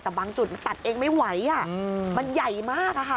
แต่บางจุดตัดเองไม่ไหวอ่ะมันใหญ่มากอ่ะค่ะ